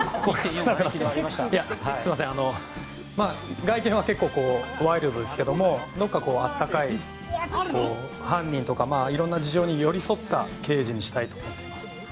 外見は結構、ワイルドですけどどこか温かい犯人とか色んな事情に寄り添った刑事にしたいと思っています。